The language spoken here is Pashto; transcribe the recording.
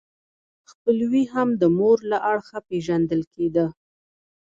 خپلوي هم د مور له اړخه پیژندل کیده.